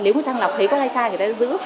nếu mà sàng lọc thấy con trai trai người ta giữ